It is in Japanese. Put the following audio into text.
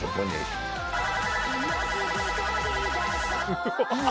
うわ！